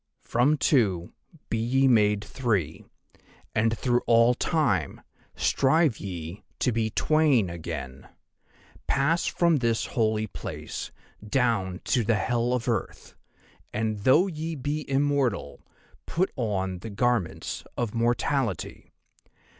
"'"From Two be ye made Three, and through all Time strive ye to be Twain again. Pass from this Holy Place down to the Hell of Earth, and though ye be immortal put on the garments of mortality.